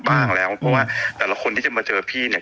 บ้างแล้วเพราะว่าแต่ละคนที่จะมาเจอพี่เนี่ย